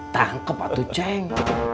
tangkep atu ceng